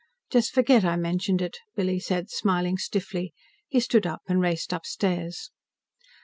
"Just forget I mentioned it," Billy said, smiling stiffly. He stood up and raced upstairs.